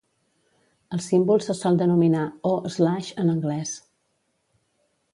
El símbol se sol denominar "o, slash" en anglès.